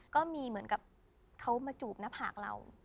ก็มีเหมือนกับเขามาจูบหน้าผากเรา